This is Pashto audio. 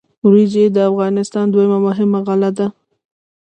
وریجې د افغانستان دویمه مهمه غله ده.